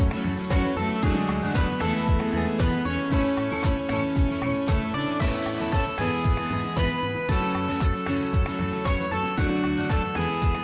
สวัสดีครับ